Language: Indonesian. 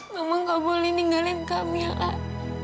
mama gak boleh ninggalin kamilah